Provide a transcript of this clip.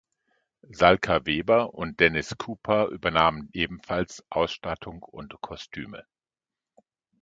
Salka Weber und Deniz Cooper übernahmen ebenfalls Ausstattung und Kostüme.